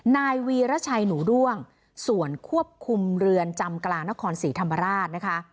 นายวีรชัยหนูด้วงส่วนควบคุมเรือนจำกลางนครศรีธรรมราชนะคะ